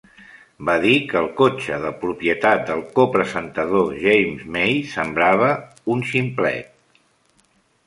Va dir que el cotxe de propietat del co-presentador James May sembrava "un ximplet".